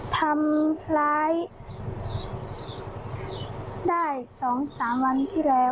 ทำร้ายได้สองสามวันที่แล้ว